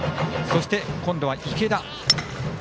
そして、今度は池田。